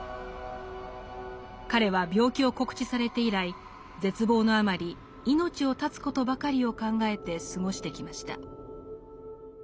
彼は病気を告知されて以来絶望のあまり命を絶つことばかりを考えて過ごしてきました。